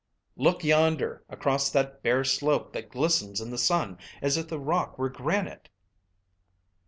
"Look yonder across that bare slope that glistens in the sun as if the rock were granite."